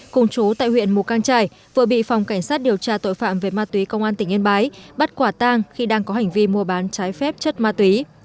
cùng chú tại huyện mù căng trải vừa bị phòng cảnh sát điều tra tội phạm về ma túy công an tỉnh yên bái bắt quả tang khi đang có hành vi mua bán trái phép chất ma túy